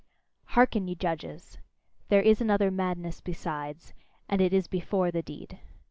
Hearken, ye judges! There is another madness besides, and it is BEFORE the deed.